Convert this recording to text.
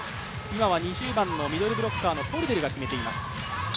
今は２０番のミドルブロッカーのポルデルが決めています。